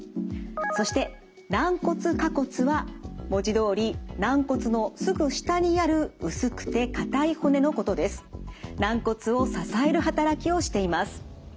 そして軟骨下骨は文字どおり軟骨のすぐ下にある薄くて硬い骨のことです。をしています。